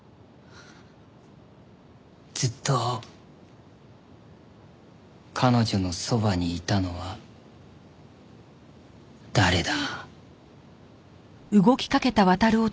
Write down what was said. ずっと彼女のそばにいたのは誰だ？